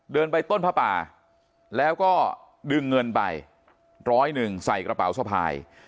เดินไปต้นผ้าป่าแล้วก็ดึงเงินไปร้อยหนึ่งใส่กระเป๋าสะพาย